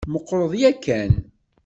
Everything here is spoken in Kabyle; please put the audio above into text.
Meqqreḍ yakan.